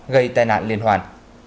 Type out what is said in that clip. gây tai nạn liên hoàn